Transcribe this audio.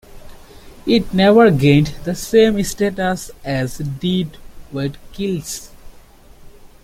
It never gained the same status as did Wade-Giles.